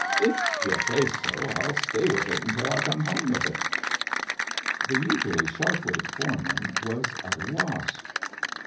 " If y'u say so, I'll stay with it till I come home with it" The usually sharp witted foreman was at a loss.